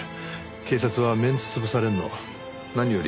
警察はメンツ潰されるの何より嫌いますから。